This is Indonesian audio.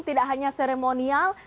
tidak hanya seremonial